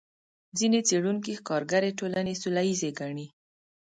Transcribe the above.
ځینې څېړونکي ښکارګرې ټولنې سوله ییزې ګڼي.